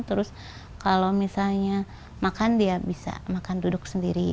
terus kalau misalnya makan dia bisa makan duduk sendiri